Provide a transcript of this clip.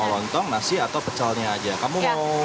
lontong nasi atau pecelnya aja kamu mau